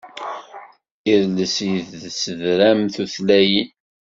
Idles yessedram tutlayin.